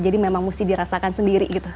jadi memang mesti dirasakan sendiri gitu